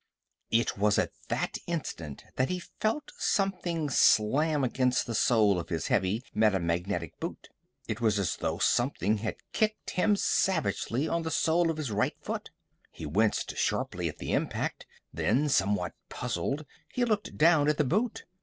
It was at that instant that he felt something slam against the sole of his heavy metamagnetic boot. It was as though something had kicked him savagely on the sole of his right foot. He winced sharply at the impact. Then, somewhat puzzled he looked down at the boot.